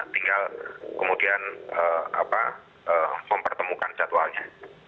tinggal kemudian mempertemukan jadwalnya